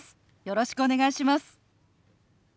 よろしくお願いします。